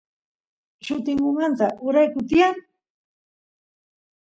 llutingumanta uraykuy tiyan